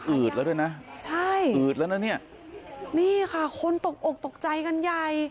ืดแล้วด้วยนะใช่อืดแล้วนะเนี่ยนี่ค่ะคนตกอกตกใจกันใหญ่